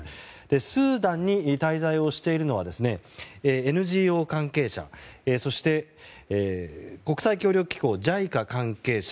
スーダンに滞在をしているのはＮＧＯ関係者そして国際協力機構ＪＩＣＡの関係者